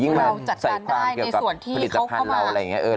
ยิ่งมันใส่ความเกี่ยวกับผลิตภัณฑ์เราอะไรอย่างนี้